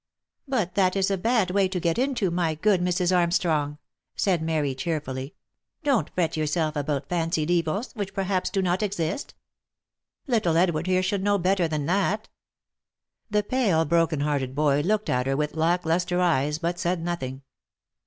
" But that is a bad way to get into, my good Mrs. Armstrong," said Mary, cheerfully. " Don't fret yourself about fancied evils, which perhaps do not exist. Little Edward here should know better than that." The pale, brokenhearted boy looked at her with lack lustre eyes, but said nothing.